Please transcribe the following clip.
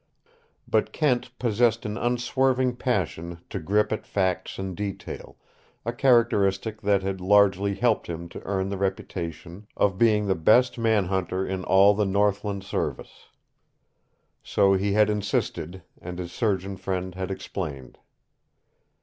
But Kent possessed an unswerving passion to grip at facts in detail, a characteristic that had largely helped him to earn the reputation of being the best man hunter in all the northland service. So he had insisted, and his surgeon friend had explained.